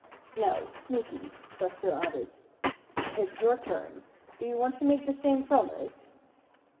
"Now, Sneaky," Buster added, "it's your turn. Do you want to make the same promise?"